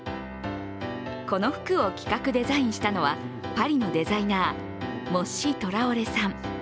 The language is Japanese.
この服を企画、デザインしたのはパリのデザイナーモッシ・トラオレさん。